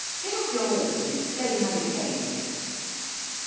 Get off your horse, and explain how you came here!"